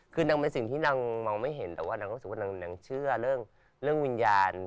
คือนางเป็นสิ่งที่นางมองไม่เห็นแต่ว่านางก็รู้สึกว่านางเชื่อเรื่องวิญญาณ